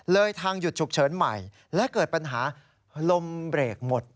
ทางหยุดฉุกเฉินใหม่และเกิดปัญหาลมเบรกหมด